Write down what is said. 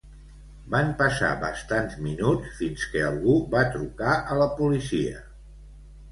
Van passar bastants minuts fins que algú va trucar a la policia.